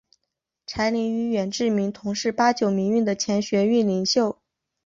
柴玲与远志明同是八九民运的前学运领袖。